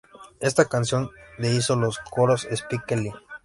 A esta canción le hizo los coros Spike Lee.